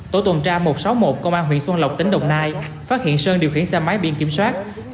tổ tuần tra một trăm sáu mươi một công an huyện xuân lộc tỉnh đồng nai phát hiện sơn điều khiển xe máy biển kiểm soát